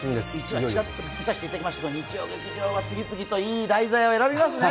１話を見させていただきましたけれども「日曜劇場」、いい題材を選びますね。